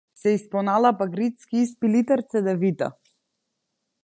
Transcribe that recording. Се испоналапа грицки и испи литар цедевита.